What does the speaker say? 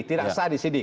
tidak sah disidik